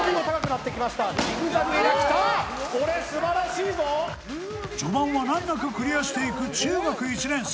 その後も序盤は難なくクリアしていく中学１年生。